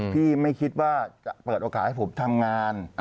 ไม่คิดว่าจะเปิดโอกาสให้ผมทำงาน